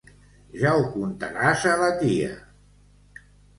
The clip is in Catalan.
Ja ho contaràs a la tia!